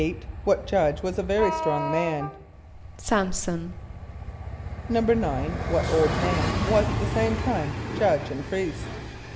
= What judge was a very strong man? =S[)a]m´son.= =9.= What old man was at the same time judge and priest?